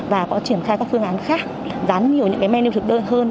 và có triển khai các phương án khác dán nhiều những cái menu thực đơn hơn